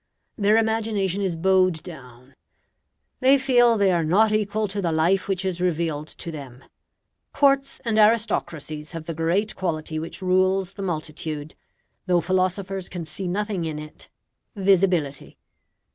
Their imagination is bowed down; they feel they are not equal to the life which is revealed to them. Courts and aristocracies have the great quality which rules the multitude, though philosophers can see nothing in it visibility.